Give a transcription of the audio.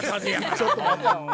ちょっと待てや。